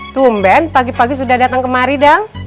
tumben pagi pagi sudah datang kemari dong